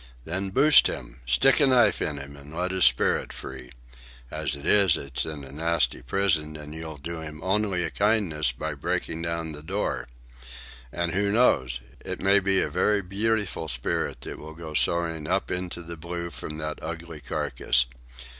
Then boost him. Stick a knife in him and let his spirit free. As it is, it's in a nasty prison, and you'll do him only a kindness by breaking down the door. And who knows?—it may be a very beautiful spirit that will go soaring up into the blue from that ugly carcass.